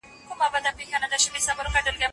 ملت ړوند دی د نجات لوری یې ورک دی